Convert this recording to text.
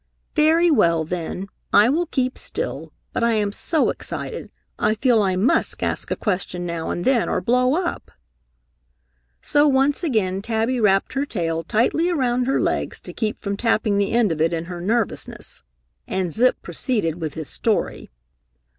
"Very well, then; I will keep still, but I am so excited, I feel I must ask a question now and then or blow up!" So once again Tabby wrapped her tail tightly around her legs to keep from tapping the end of it in her nervousness. And Zip proceeded with his story.